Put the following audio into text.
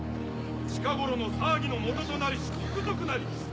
近頃の騒ぎのもととなりし国賊なり。